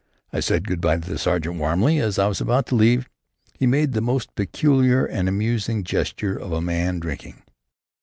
I said good bye to the sergeant warmly. As I was about to leave he made the most peculiar and amusing gesture of a man drinking.